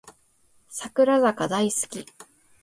櫻坂大好き